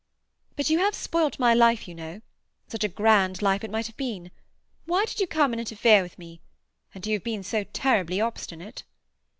"But you have spoilt my life, you know. Such a grand life it might have been. Why did you come and interfere with me? And you have been so terribly obstinate."